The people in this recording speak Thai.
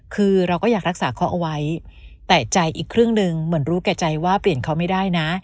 คือเราก็อยากรักษาเขาเอาไว้แต่ใจอีกครึ่งหนึ่งเหมือนรู้แก่ใจว่าเปลี่ยนเขาไม่ได้นะ